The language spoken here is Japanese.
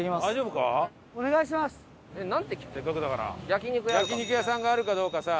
焼肉屋さんがあるかどうかさ。